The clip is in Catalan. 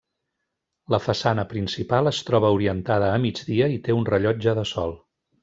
La façana principal es troba orientada a migdia i té un rellotge de sol.